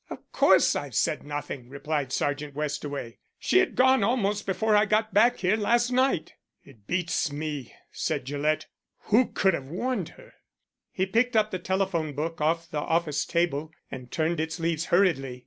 "Of course I've said nothing," replied Sergeant Westaway. "She had gone almost before I got back here last night." "It beats me," said Gillett. "Who could have warned her?" He picked up the telephone book off the office table, and turned its leaves hurriedly.